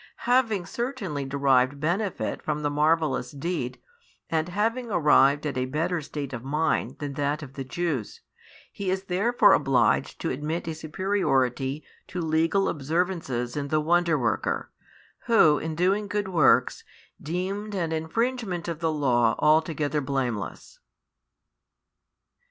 Having certainly derived benefit from the marvellous deed, and having arrived at a better state of mind than that of the Jews, he is therefore obliged to admit a superiority to legal observances in the Wonder worker, Who, in doing good works, deemed an infringement of the law altogether blameless.